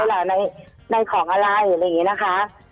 หรอหรออะไรล่ะในของอะไรอะไรอย่างนี้นะคะ